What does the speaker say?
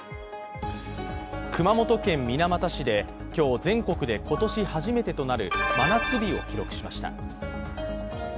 熊本県水俣市で今日全国で今年初めてとなる真夏日を記録しました。